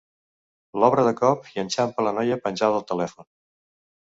L'obre de cop i enxampa la noia penjada al telèfon.